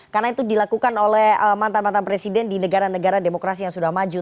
karena itu dilakukan oleh mantan mantan presiden di negara negara demokrasi yang sudah maju